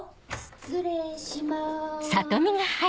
失礼します。